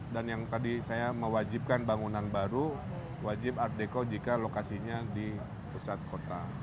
dan yang tadi saya mewajibkan bangunan baru wajib art deco jika lokasinya di pusat kota